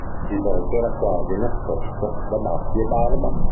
Il volto era quasi nascosto da baffi e barba.